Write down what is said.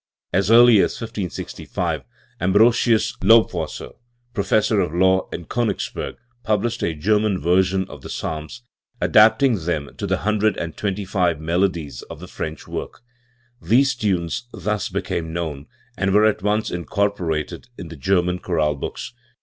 As early as 1565 Ambrosius Lobwasser, Professor of Law in Konigsberg, published a German version of the Psalms, adapting them to the hundred and twenty five melodies of the French work, These tunes thus became known, and were at once incorporated in the German chorale books.